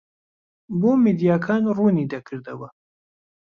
بۆ میدیاکان ڕوونی دەکردەوە